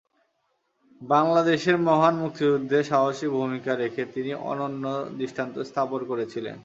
বাংলাদেশের মহান মুক্তিযুদ্ধে দুঃসাহসী ভূমিকা রেখে তিনি অনন্য দৃষ্টান্ত স্থাপন করেছিলেন।